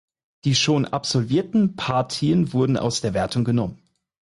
Die schon absolvierten Partien wurden aus der Wertung genommen.